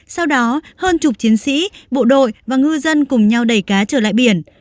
sau đó hơn chục chiến sĩ bộ đội và ngư dân cùng nhau đẩy cá trở lại biển